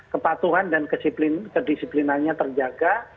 kepatuhan dan kedisiplinannya terjaga